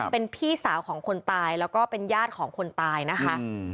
เป็นพี่สาวของคนตายแล้วก็เป็นญาติของคนตายนะคะ